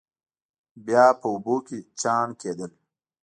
بیا په اوبو کې چاڼ کېدل.